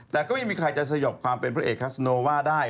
แต่ก็ไม่มีใครจะสยบความเป็นพระเอกคัสโนว่าได้